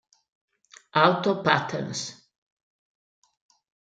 Auto Patterns".